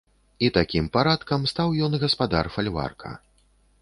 І такім парадкам стаў ён гаспадар фальварка.